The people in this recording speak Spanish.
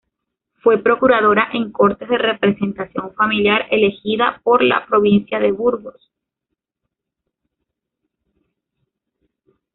Fue Procuradora en Cortes de representación familiar elegida por la provincia de Burgos.